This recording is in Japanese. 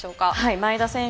前田選手